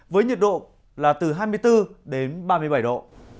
với nhiệt độ là từ hai mươi bốn đến ba mươi bảy độ